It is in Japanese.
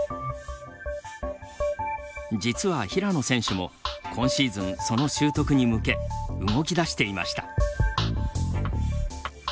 実は平野選手も今シーズンその習得に向け動き出していました。